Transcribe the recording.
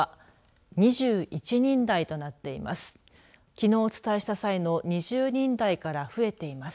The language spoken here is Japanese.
きのうお伝えした際の４０人からは少し減っています。